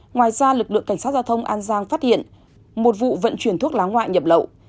ngoài ra lực lượng cảnh sát giao thông an giang phát hiện một vụ vận chuyển thuốc lá ngoại nhập lậu